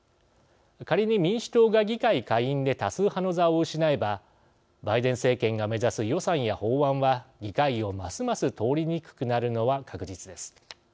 仮に民主党が議会下院で多数派の座を失えばバイデン政権が目指す予算や法案は、議会をますます通りにくくなるのは確実です。